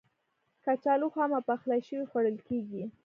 کچالو خام او پخلی شوی خوړل کېږي.